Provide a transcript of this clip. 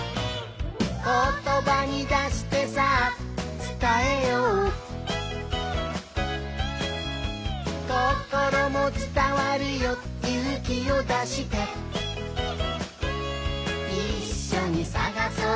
「ことばに出してさあつたえよう」「こころもつたわるよゆうきをだして」「いっしょにさがそう！